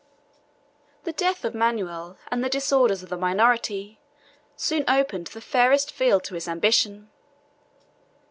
The death of Manuel, and the disorders of the minority, soon opened the fairest field to his ambition.